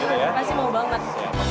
pasti mau banget